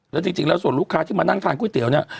แล้วจริงแล้วส่วนลูกค้าที่มานั่งทานก๋วยเตี๋ยวเนี่ย